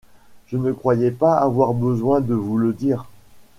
Je ne croyais pas avoir besoin de vous le dire. ..